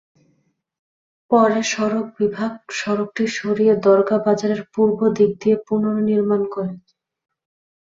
পরে সড়ক বিভাগ সড়কটি সরিয়ে দরগা বাজারের পূর্ব দিক দিয়ে পুনর্নির্মাণ করে।